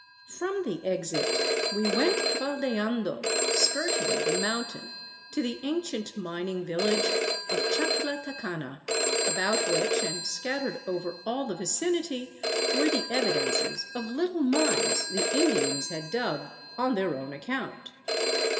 From the exit we went faldeando (skirting) the mountain to the an cient mining village of Chaclatacana, about which, and scattered over all the vicinity, were the evidences of little mines the Indians had dug on their own account.